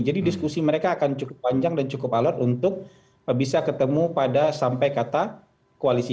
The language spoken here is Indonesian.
jadi diskusi mereka akan cukup panjang dan cukup alert untuk bisa ketemu pada sampai kata koalisi